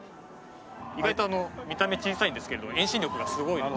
意外と見た目小さいんですけれども遠心力がすごいので。